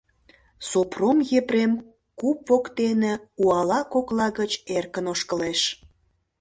Сопром Епрем куп воктене уала кокла гыч эркын ошкылеш.